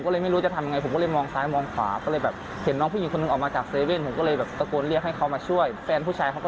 เราวันนั้นเท่าไหร่น่าจะ๑๕๐บาทใช่ครับ